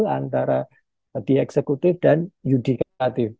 antara di eksekutif dan yudikatif